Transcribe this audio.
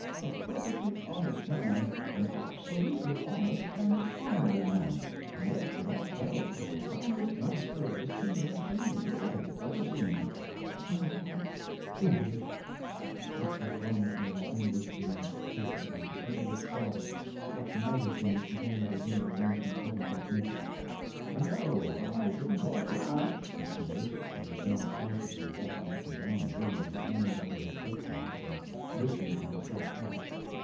A perfectly honest man—an absolutely honest and honorable man—and yet without doubt the profoundest master of dissimulation the world has ever seen." "O, it's devilish!" This was wrung from the unlistening Tracy by the anguished thought of what might have been if only the dinner arrangements hadn't got mixed. "No, I shouldn't call it that," said Sellers, who was now placidly walking up and down the room with his hands under his coat tails and listening to himself talk.